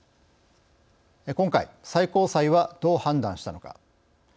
今回、最高裁はどう判断したのか。